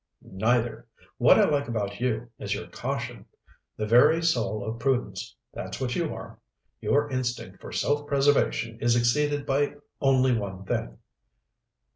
"Neither. What I like about you is your caution. The very soul of prudence, that's what you are. Your instinct for self preservation is exceeded by only one thing."